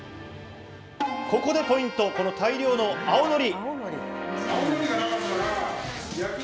ここでポイント、この大量の青のり。